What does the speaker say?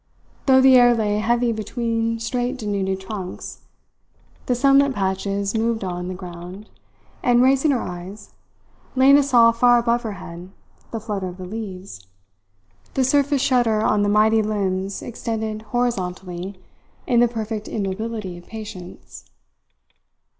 Though the air lay heavy between straight denuded trunks, the sunlit patches moved on the ground, and raising her eyes Lena saw far above her head the flutter of the leaves, the surface shudder on the mighty limbs extended horizontally in the perfect immobility of patience.